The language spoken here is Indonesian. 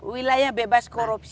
wilayah bebas korupsi